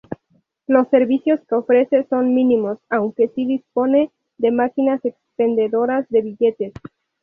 Los servicios que ofrece son mínimos aunque sí dispone de máquinas expendedoras de billetes.